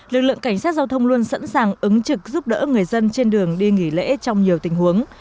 lực lượng cảnh sát giao thông luôn sẵn sàng ứng trực giúp đỡ người dân trên đường đi nghỉ lễ trong nhiều tình huống